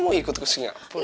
mau ikut ke singapur